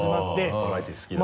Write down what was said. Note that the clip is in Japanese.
あぁバラエティー好きなんだ。